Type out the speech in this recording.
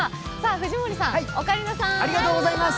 藤森さん、お帰りなさい。